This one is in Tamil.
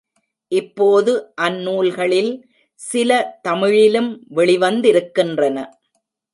இப்போது அந் நூல்களில் சில தமிழிலும் வெளிவந்திருக்கின்றன.